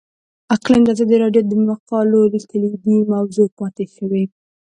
اقلیم د ازادي راډیو د مقالو کلیدي موضوع پاتې شوی.